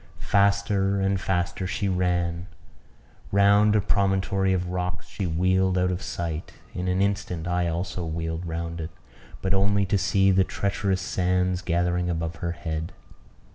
Faster and faster she ran; round a promontory of rocks she wheeled out of sight; in an instant I also wheeled round it, but only to see the treacherous sands gathering above her head.